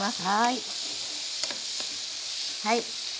はい。